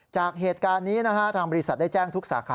จากเหตุการณ์นี้ทางบริษัทได้แจ้งทุกสาขา